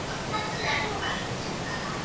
来宾市象州县政府网站